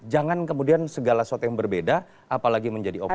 jangan kemudian segala sesuatu yang berbeda apalagi menjadi opsi